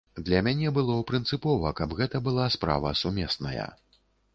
Для мяне было прынцыпова, каб гэта была справа сумесная.